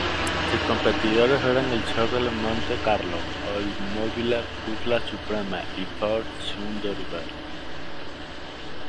Sus competidores eran el Chevrolet Monte Carlo, Oldsmobile Cutlass Supreme y Ford Thunderbird.